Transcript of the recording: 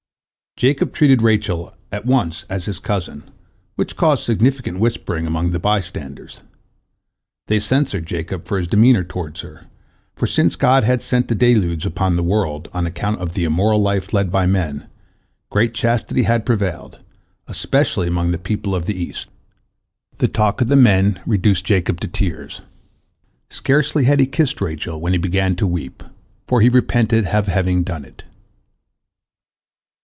Jacob treated Rachel at once as his cousin, which caused significant whispering among the by standers. They censured Jacob for his demeanor toward her, for since God had sent the deluge upon the world, on account of the immoral life led by men, great chastity had prevailed, especially among the people of the east. The talk of the men reduced Jacob to tears. Scarcely had he kissed Rachel when he began to weep, for he repented of having done it.